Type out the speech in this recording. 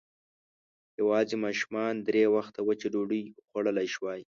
يواځې ماشومانو درې وخته وچه ډوډۍ خوړلی شوای.